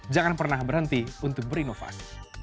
jangan pernah berhenti untuk berinovasi